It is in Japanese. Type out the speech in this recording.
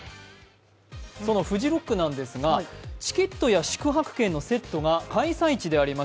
そのフジロックなんですがチケットや宿泊券のセットが開催地であります